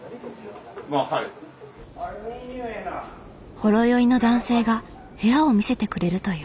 ほろ酔いの男性が部屋を見せてくれるという。